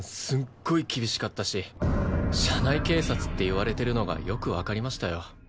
すっごい厳しかったし社内警察って言われてるのがよくわかりましたよ。